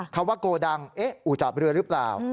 คำว่าโกดังเอ๊ะอู่จอดเรือหรือเปล่า